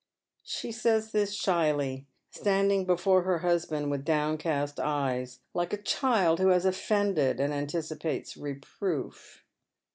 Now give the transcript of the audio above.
She says this shyly, standing before her husband with down cant eyes, like a child who lias ofEeuded and anticipate reproof.